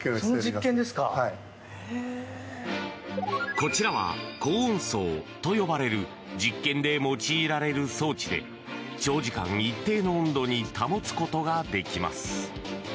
こちらは恒温槽と呼ばれる実験で用いられる装置で長時間一定の温度に保つことができます。